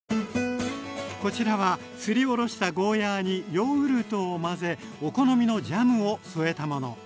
こちらはすりおろしたゴーヤーにヨーグルトを混ぜお好みのジャムを添えたもの。